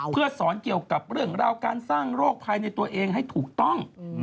เพื่อสอนเกี่ยวกับเรื่องราวการสร้างโรคภัยในตัวเองให้ถูกต้อง